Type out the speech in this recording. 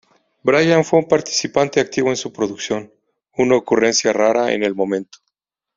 Brian fue un participante activo en su producción, una ocurrencia rara en el momento.